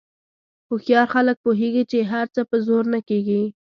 هوښیار خلک پوهېږي چې هر څه په زور نه کېږي.